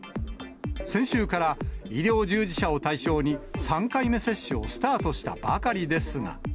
先週から、医療従事者を対象に、３回目接種をスタートしたばかりですが。